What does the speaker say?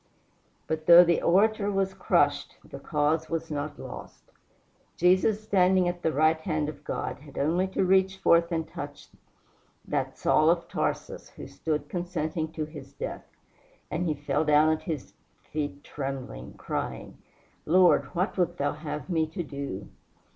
But though the orator was crushed the cause was not lost. Jesus, standing at the right hand of God, had only to reach forth and touch that Saul of Tarsus who stood consenting to his death, and he fell down at his feet trembling, crying, "Lord, what wilt thou have me to do?"